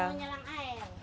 kita mau menyalang air